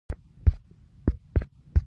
د ایس میکس مور او پلار بیا حیران نه وو